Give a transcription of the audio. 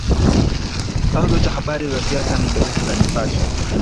Chanzo cha habari za siasa ni gazeti la Nipashe